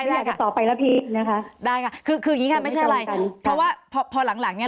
อยากจะต่อไปแล้วพี่นะคะได้ค่ะคือคืออย่างงี้ค่ะไม่ใช่อะไรเพราะว่าพอพอหลังหลังเนี้ย